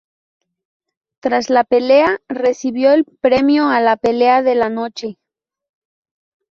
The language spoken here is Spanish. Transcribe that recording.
Tras la pelea, recibió el premio a la "Pelea de la Noche".